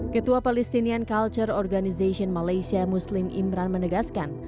ketua palestinian culture organization malaysia muslim imran menegaskan